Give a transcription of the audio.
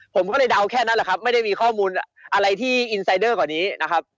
ผมก็เลยเดาแค่นั้นแหละครับไม่ได้มีข้อมูลอะไรที่อินไซเดอร์กว่านี้นะครับ